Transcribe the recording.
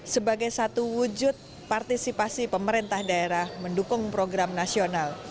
sebagai satu wujud partisipasi pemerintah daerah mendukung program nasional